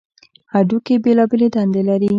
هډوکي بېلابېلې دندې لري.